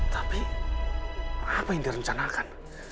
tapi apa yang dia rencanakan